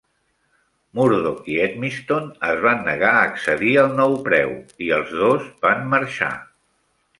Murdoch i Edmiston es van negar a accedir al nou preu i els dos van marxar.